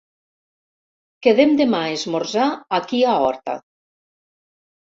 Quedem demà a esmorzar aquí a Horta.